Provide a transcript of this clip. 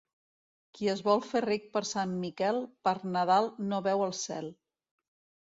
Qui es vol fer ric per Sant Miquel, per Nadal no veu el cel.